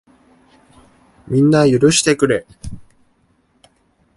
みんな、許してくれ。